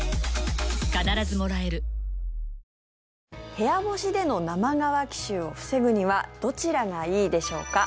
部屋干しでの生乾き臭を防ぐにはどちらがいいでしょうか。